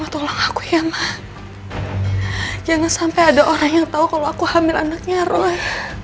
tolong aku hemat jangan sampai ada orang yang tahu kalau aku hamil anaknya roy